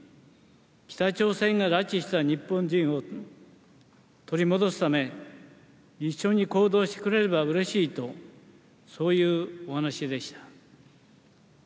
北朝鮮が拉致した日本人を取り戻すため、一緒に行動してくれればうれしいと、そういうお話でした。